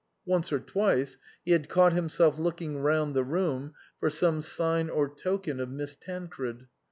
Once or twice he had caught himself looking round the room for some sign or token of Miss Tan cred.